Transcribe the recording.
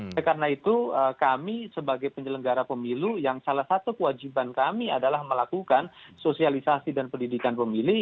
oleh karena itu kami sebagai penyelenggara pemilu yang salah satu kewajiban kami adalah melakukan sosialisasi dan pendidikan pemilih